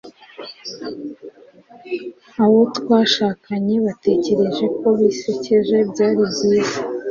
abo twashakanye batekereje ko bisekeje, byari byiza